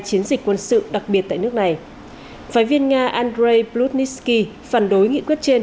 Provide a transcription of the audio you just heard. chiến dịch quân sự đặc biệt tại nước này phái viên nga andrei plutnitsky phản đối nghị quyết trên